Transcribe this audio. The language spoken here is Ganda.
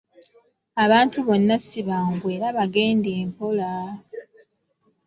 Abantu bonna si bangu era bagende mpola.